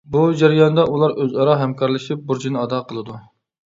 بۇ جەرياندا ئۇلار ئۆزئارا ھەمكارلىشىپ بۇرچىنى ئادا قىلىدۇ.